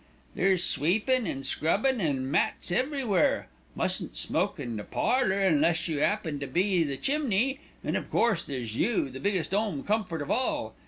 There's sweepin' an' scrubbin' an' mats everywhere, mustn't smoke in the parlour unless you 'appen to be the chimney, and of course there's you, the biggest 'ome comfort of all.